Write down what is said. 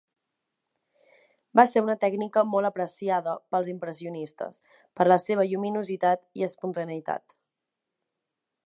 Va ser una tècnica molt apreciada pels impressionistes per la seva lluminositat i espontaneïtat.